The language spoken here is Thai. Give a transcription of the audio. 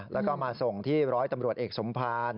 แล้วก็มาส่งที่ร้อยตำรวจเอกสมภาร